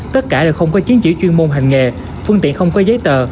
tất cả đều không có chứng chỉ chuyên môn hành nghề phương tiện không có giấy tờ